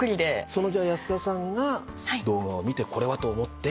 その安田さんが動画を見て「これは」と思って。